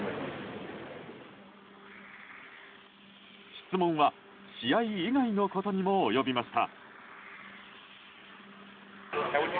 質問は試合以外のことにも及びました。